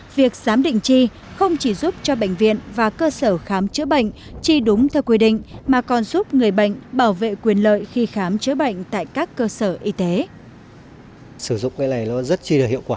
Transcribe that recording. việc giám định chi không chỉ giúp cho bệnh viện và cơ sở khám chữa bệnh chi đúng theo quy định mà còn giúp người bệnh bảo vệ quyền lợi khi khám chữa bệnh tại các cơ sở y tế